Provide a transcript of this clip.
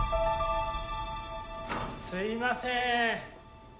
すいません。